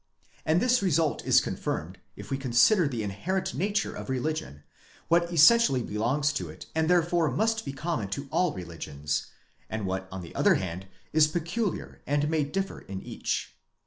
And this result is confirmed, if we consider the inherent nature of religion, what essentially belongs to it and therefore must be common to all religions, and what on the other hand is peculiar and may differ in each.